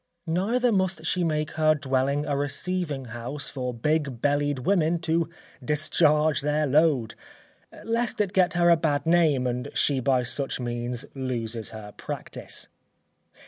Neither must she make her dwelling a receiving house for big bellied women to discharge their load, lest it get her a bad name and she by such means loses her practice.